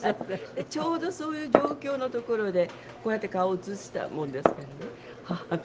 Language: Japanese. ちょうどそういう状況のところでこうやって顔映したものですからね母がね